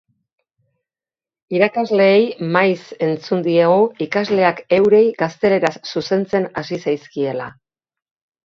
Irakasleei maiz entzun diegu ikasleak eurei gazteleraz zuzentzen hasi zaizkiela.